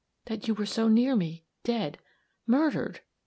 that you were so near me dead murdered!"